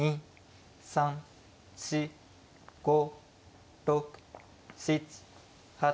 ３４５６７８９。